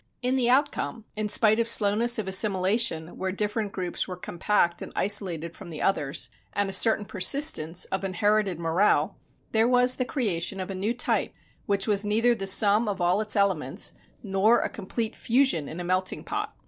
In the outcome, in spite of slowness of assimilation where different groups were compact and isolated from the others, and a certain persistence of inherited morale, there was the creation of a new type, which was neither the sum of all its elements, nor a complete fusion in a melting pot.